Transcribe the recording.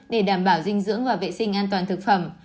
để đảm bảo dinh dưỡng và vệ sinh an toàn thực phẩm